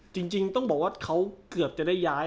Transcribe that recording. จริงต้องบอกว่าเขาเกือบจะได้ย้าย